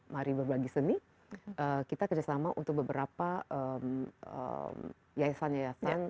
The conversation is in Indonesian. mari berbagi seni kita kerjasama untuk beberapa yayasan yayasan